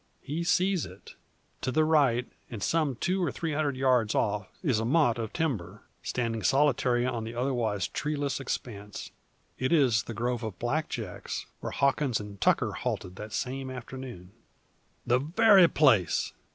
He sees it. To the right, and some two or three hundred yards off is a motte of timber, standing solitary on the otherwise treeless expanse. It is the grove of black jacks, where Hawkins and Tucker halted that same afternoon. "The very place!"